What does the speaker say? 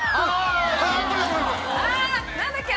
あ何だっけ？